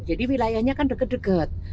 jadi wilayahnya kan deket deket